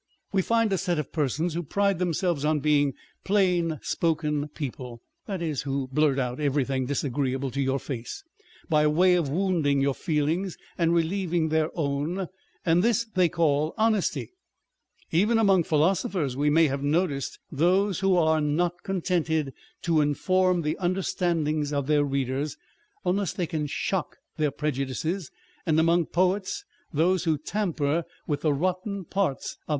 We find a set of persons who pride themselves on being plain spoken people, that is, who blurt out everything disagree able to your face, by way of wounding your feelings and relieving their own, and this they call honesty. Even among philosophers we may have noticed those who are not contented to inform the understandings of their readers, unless they can shock their prejudices ; and among poets those who tamper with the rotten parts of 492 On Depth and Superficiality.